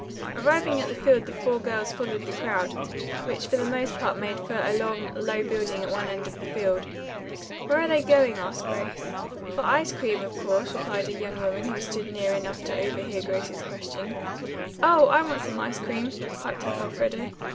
Arriving at the field the four girls followed the crowd, which for the most part made for a long, low building at one end of the field. "Where are they going?" asked Grace. "For ice cream, of course," replied a young woman who stood near enough to overhear Grace's question. "Oh, I want some ice cream," piped up Elfreda.